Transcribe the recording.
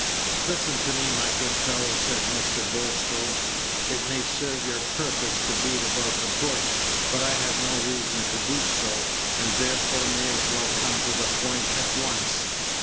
"Listen to me, my good fellow," said Mr. Bulstrode. "It may serve your purpose to beat about the bush, but I have no reason to do so, and therefore may as well come to the point at once.